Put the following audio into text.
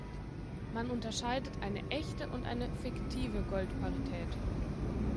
Man unterscheidet eine "echte" und eine "fiktive Goldparität".